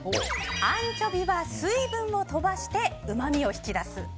アンチョビは水分を飛ばしてうまみを引き出す。